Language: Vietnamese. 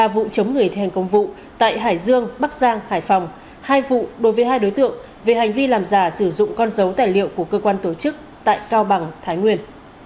ba vụ chống người thi hành công vụ tại hải dương bắc giang hải phòng hai vụ đối với hai đối tượng về hành vi làm giả sử dụng con dấu tài liệu của cơ quan tổ chức tại cao bằng thái nguyên